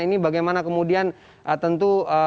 ini bagaimana kemudian tentu